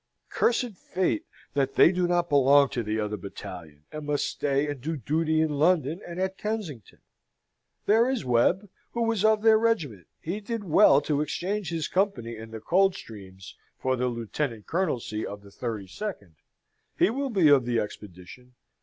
Cursed fate that they do not belong to the other battalion; and must stay and do duty in London and at Kensington! There is Webb, who was of their regiment: he did well to exchange his company in the Coldstreams for the lieutenant colonelcy of the thirty second. He will be of the expedition.